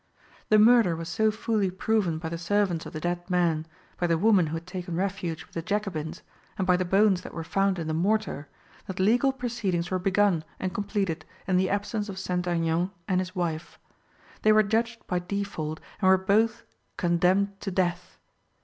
The murder was so fully proven by the servants of the dead man, by the woman who had taken refuge with the Jacobins, and by the bones that were found in the mortar, that legal proceedings were begun and completed in the absence of St. Aignan and his wife. They were judged by default and were both condemned to death.